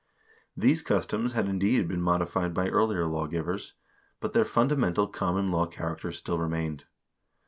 These customs had, indeed, been modified by early law givers, but their fundamental common law character still remained.